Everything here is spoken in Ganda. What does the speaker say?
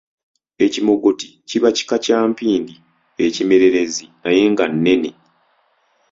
Ekimogoti kiba kika kya mpindi ekimererezi naye nga nnene